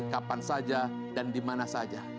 kapan saja dan dimana saja